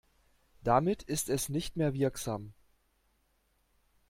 Damit ist es nicht mehr wirksam.